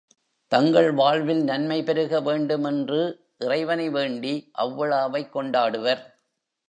தங்கள் வாழ்வில் நன்மை பெருக வேண்டும் என்று இறைவனை வேண்டி அவ்விழாவைக் கொண்டாடுவர்.